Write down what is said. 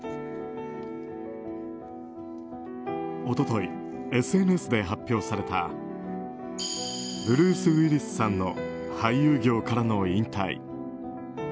一昨日、ＳＮＳで発表されたブルース・ウィリスさんの俳優業からの引退。